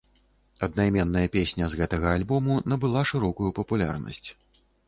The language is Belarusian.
Аднайменная песня з гэтага альбому набыла шырокую папулярнасць.